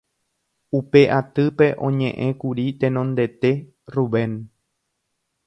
Upe atýpe oñe'ẽkuri tenondete Rubén